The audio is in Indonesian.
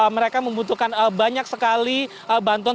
mereka membutuhkan banyak sekali bantuan